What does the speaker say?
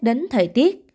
đến thời tiết